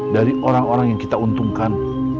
dari orang orang yang kita untungkan